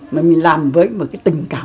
mà mình làm với một cái tình cảm